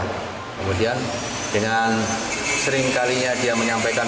dan kemudian dengan sering kalinya dia menyampaikan